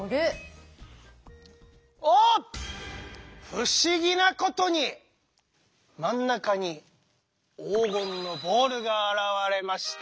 不思議なことに真ん中に黄金のボールが現れました。